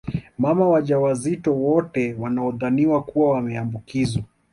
Mama waja wazito wote wanaodhani kuwa wameambukizwa